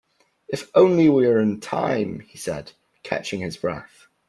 "If only we are in time!" he said, catching his breath.